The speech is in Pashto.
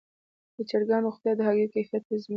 د چرګانو روغتیا د هګیو کیفیت تضمینوي.